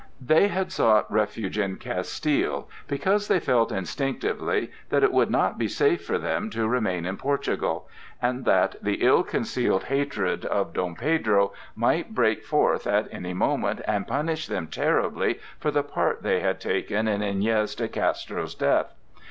They had sought refuge in Castile, because they felt instinctively that it would not be safe for them to remain in Portugal, and that the ill concealed hatred of Dom Pedro might break forth at any moment and punish them terribly for the part they had taken in Iñez de Castro's death.